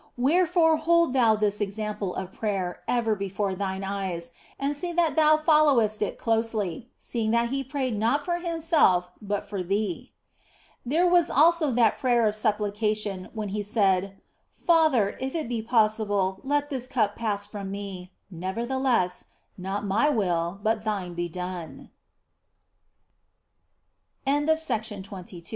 Wherefore hold thou this example of prayer ever before thine eyes, and see that thou followest it closely, seeing that He prayed not for Himself, but for thee. There was also that prayer of supplication when He said, " Father, if it be possible, let this cup pass from Me ; nevertheless, not My will